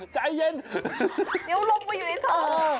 ใจเย็นเดี๋ยวลบไปอยู่นี่เถอะ